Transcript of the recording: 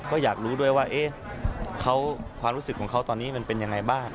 ก็อยากรู้ด้วยว่าความรู้สึกของเขาตอนนี้มันเป็นยังไงบ้าง